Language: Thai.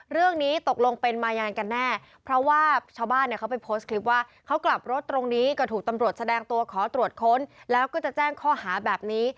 เรื่องนี้ตกลงเป็นมายังไงกันแน่เพราะว่าชาวบ้านเนี่ยเขาไปโพสต์คลิปว่าเขากลับรถตรงนี้ก็ถูกตำรวจแสดงตัวขอตรวจค้นแล้วก็จะแจ้งข้อหาแบบนี้